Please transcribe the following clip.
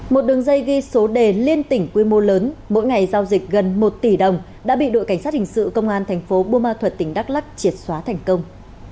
một đường dây ghi số đề liên tỉnh quy mô lớn mỗi ngày giao dịch gần một tỷ đồng đã bị đội cảnh sát hình sự công an thành phố buôn ma thuật tỉnh đắk lắc triệt xóa thành công